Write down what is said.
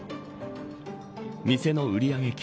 店の売り上げ金